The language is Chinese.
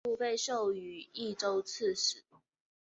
吕护被授予冀州刺史。